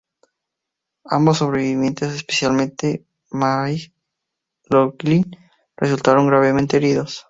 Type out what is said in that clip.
Ambos sobrevivientes, especialmente McLoughlin, resultaron gravemente heridos.